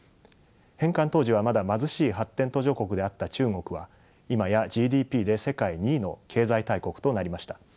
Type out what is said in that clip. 返還当時はまだ貧しい発展途上国であった中国は今やＧＤＰで世界２位の経済大国となりました。